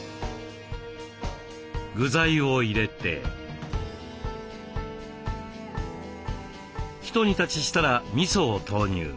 具材を入れてひと煮立ちしたらみそを投入。